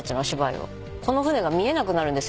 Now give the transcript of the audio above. この船が見えなくなるんですよ